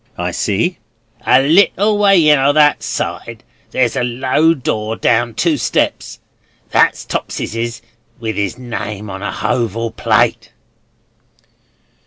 "I see." "A little way in, o' that side, there's a low door, down two steps. That's Topeseses with 'is name on a hoval plate."